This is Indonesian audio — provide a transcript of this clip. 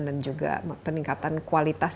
dan juga peningkatan kualitas